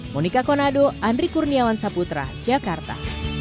monika konado andri kurniawan saputra jakarta